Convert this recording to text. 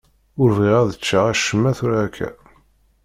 Ur bɣiɣ ad ččeɣ acemma tura akka.